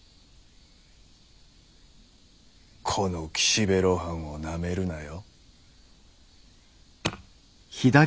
この岸辺露伴をなめるなよ。